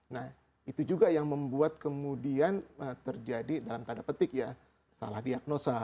nah itu juga yang membuat kemudian terjadi dalam tanda petik ya salah diagnosa